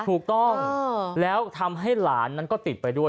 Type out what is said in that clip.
ถูกต้องแล้วทำให้หลานนั้นก็ติดไปด้วย